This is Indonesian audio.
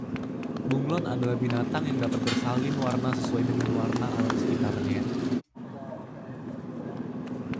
bunglon adalah binatang yang dapat bersalin warna sesuai dengan warna alam sekitarnya